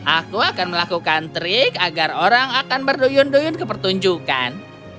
aku akan melakukan trik agar orang akan berduyun duyun ke pertunjukan